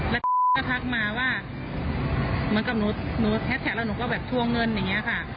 แล้วก็ทักมาว่าเหมือนกับหนูแฮสแท็กแล้วหนูก็แบบทวงเงินอย่างนี้ค่ะ